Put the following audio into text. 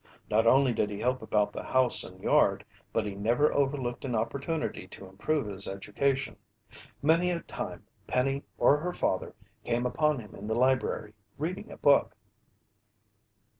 Not only did he help about the house and yard, but he never overlooked an opportunity to improve his education. Many a time Penny or her father came upon him in the library, reading a book.